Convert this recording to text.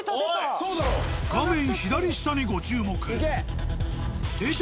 画面左下にご注目。